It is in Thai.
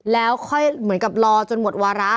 แล้วค่อยเหมือนกับรอจนหมดวาระ